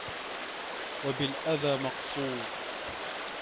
وَبِالْأَذَى مَقْصُودٌ